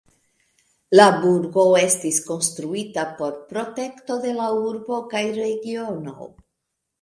La burgo estis konstruita por protekto de la urbo kaj regiono.